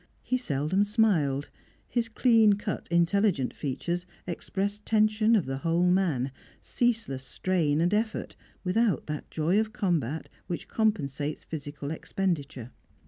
He seldom smiled; his clean cut, intelligent features expressed tension of the whole man, ceaseless strain and effort without that joy of combat which compensates physical expenditure.